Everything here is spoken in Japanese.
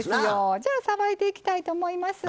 じゃあさばいていきたいと思います。